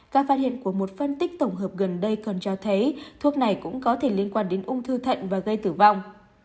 các phát hiện của một phân tích tổng hợp gần đây còn cho thấy thuốc này cũng có thể liên quan đến ung thư thận và gây tử vong